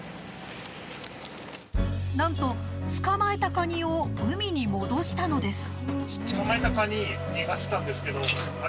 なんと、捕まえたカニを海に戻したのです。